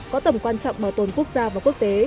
có tầm quan trọng bảo tồn quốc gia và quốc tế